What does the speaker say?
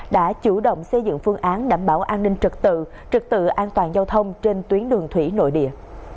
đã chủ động xây dựng phương án đảm bảo an ninh trật tự trực tự an toàn giao thông trên tuyến đường thủy nội địa